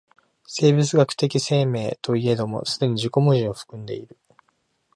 生物的生命といえども既に自己矛盾を含んでいる。